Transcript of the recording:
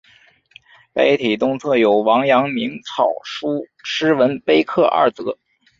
碑体东侧有王阳明草书诗文碑刻二则。